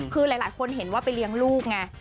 คือหลายคนเห็นว่าไปเลี้ยงลูกไง